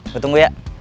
gue tunggu ya